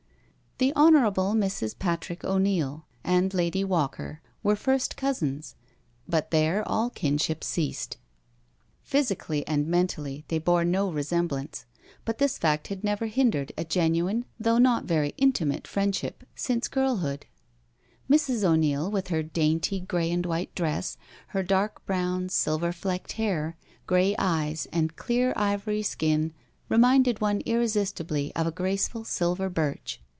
The Hon. Mrs. Patrick O'Neil and Lady Walker were first cousins^ but thefre all kinship ceased. Phy V 31 2a ~ NO SURRENDER sically and mentally they bore no resemblance, but this fact had never hindered a genuine, though not very intimate friendship, since girlhood. Mrs. 0*Neil, with her dainty grey and white dress, her dark brown, silver flicked hair, grey eyes and clear ivory skin, reminded one irresistibly of a graceful silver birch.